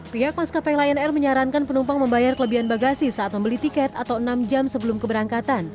pihak maskapai lion air menyarankan penumpang membayar kelebihan bagasi saat membeli tiket atau enam jam sebelum keberangkatan